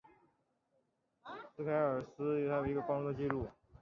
斯凯尔斯还有一个光荣的记录。